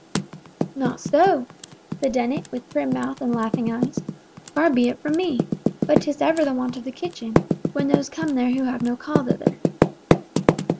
"Not so," said Dennet, with prim mouth and laughing eyes. "Far be it from me! But 'tis ever the wont of the kitchen, when those come there who have no call thither."